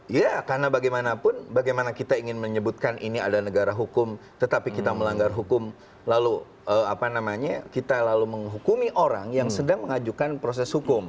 iya karena bagaimanapun bagaimana kita ingin menyebutkan ini adalah negara hukum tetapi kita melanggar hukum lalu apa namanya kita lalu menghukumi orang yang sedang mengajukan proses hukum